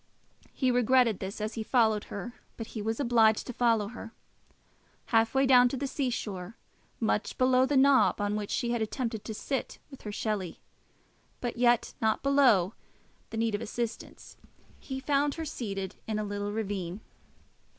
He regretted this as he followed her, but he was obliged to follow her. Half way down to the sea shore, much below the knob on which she had attempted to sit with her Shelley, but yet not below the need of assistance, he found her seated in a little ravine.